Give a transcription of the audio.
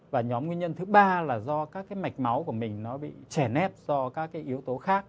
và nhóm nguyên nhân thứ ba là do các cái mạch máu của mình nó bị chèn ép do các cái yếu tố khác